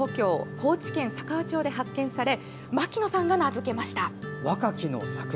高知県佐川町で発見され牧野さんが名付けました。